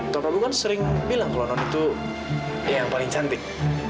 tuan prabu kan sering bilang kalau non itu yang paling cantik